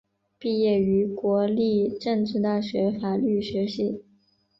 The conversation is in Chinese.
毕业于国立政治大学法律学系。